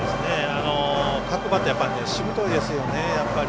各バッターしぶといですよね。